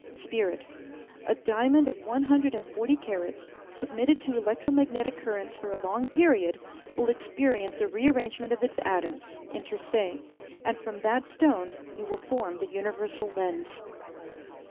Spirit A diamond of one hundred and forty carats, submitted to electro magnetic currents for a long period, will experience a rearrangement of its atoms inter se and from that stone you will form the universal lens.